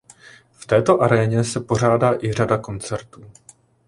V této aréně se pořádá i řada koncertů.